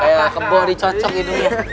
kayak keboh dicocok hidungnya